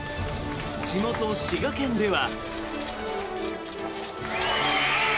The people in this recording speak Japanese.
地元・滋賀県では。